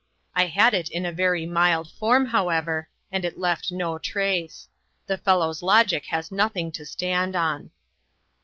I had it in a very mild form, however, and it left no trace. The fellow's logic has nothing to stand on."